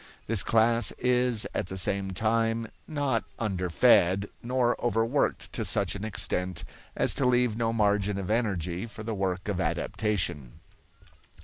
This class is at the same time not underfed nor over worked to such an extent as to leave no margin of energy for the work of adaptation.